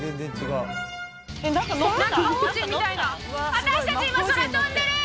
私たち今空飛んでる！